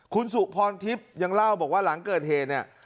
คุณสุพรทิพย์ยังเล่าบอกว่าหลังเกิดเหตุเนี่ย